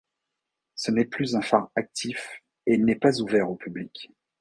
Ce n'est plus un phare actif, et il n'est pas ouvert au public.